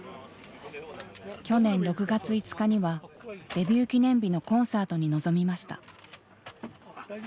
去年６月５日にはデビュー記念日のコンサートに臨みました。